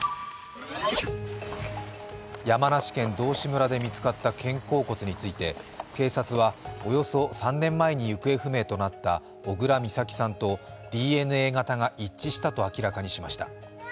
山梨県道志村で見つかった肩甲骨について警察はおよそ３年前に行方不明となった小倉美咲さんとＤＮＡ型が一致したと明らかにしました。